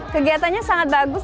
kegiatannya sangat bagus